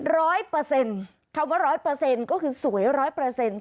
ร้อยเปอร์เซ็นต์คำว่าร้อยเปอร์เซ็นต์ก็คือสวยร้อยเปอร์เซ็นต์